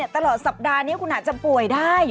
ตลอดสัปดาห์นี้คุณอาจจะป่วยได้